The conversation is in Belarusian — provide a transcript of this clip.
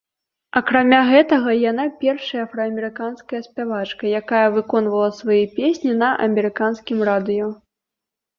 Акрамя гэтага яна першая афраамерыканская спявачка, якая выконвала свае песні на амерыканскім радыё.